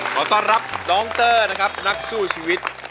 ขอต้อนรับน้องเตอร์นะครับนักสู้ชีวิต